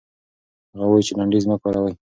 هغه وايي چې لنډيز مه کاروئ.